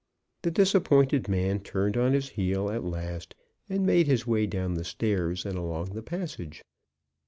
The disappointed man turned on his heel at last, and made his way down the stairs and along the passage.